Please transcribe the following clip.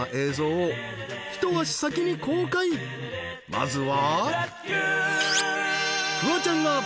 ［まずは］